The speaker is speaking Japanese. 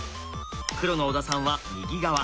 黒の小田さんは右側。